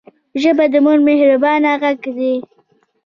ژبه د مور مهربانه غږ دی